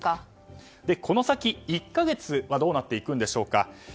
この先１か月はどうなっていくんでしょうか。